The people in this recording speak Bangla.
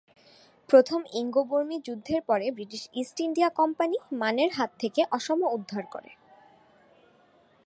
প্রথম ইঙ্গ-বর্মী যুদ্ধের পরে ব্রিটিশ ইস্ট ইন্ডিয়া কোম্পানি মানের হাত থেকে অসম উদ্ধার করে।